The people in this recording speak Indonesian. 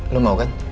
lo mau kan